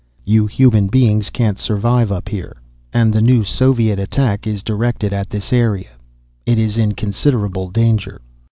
"You human beings can't survive up here. And the new Soviet attack is directed at this area. It is in considerable danger."